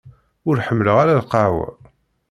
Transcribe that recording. Ur ḥemmleɣ ara lqahwa.